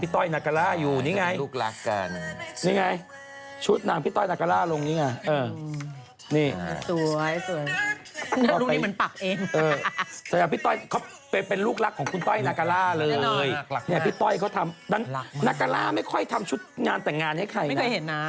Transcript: ท่วยเขาทำนักงะล้าไม่ค่อยทำชุดงานแต่งงานให้ใครนะ